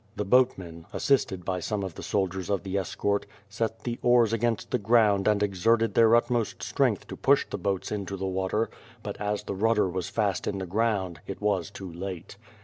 The boatmen, assisted by some of the soldiers of the es cort, set the oars against the ground and exerted their utmost strength to push the boats into the water, but as the rudder was fast in the ground, it was too late.